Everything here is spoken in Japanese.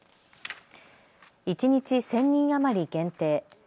一日１０００人余り限定。